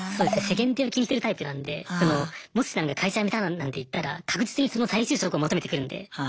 世間体を気にするタイプなんでもしなんか会社辞めたなんて言ったら確実にその再就職を求めてくるんで。